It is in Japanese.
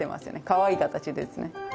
かわいい形ですね